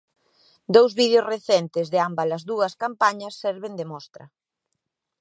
Dous vídeos recentes de ámbalas dúas campañas serven de mostra.